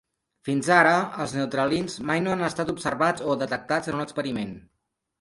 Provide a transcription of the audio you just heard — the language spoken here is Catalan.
Fins ara, els neutralins mai no han estat observats o detectats en un experiment.